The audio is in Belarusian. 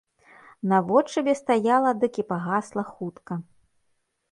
Наводшыбе стаяла дык і пагасла хутка.